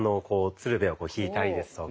つるべを引いたりですとか。